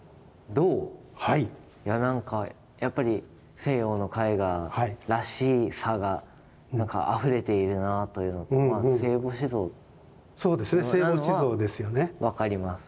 いやなんかやっぱり西洋の絵画らしさがあふれているなというのと聖母子像なのは分かります。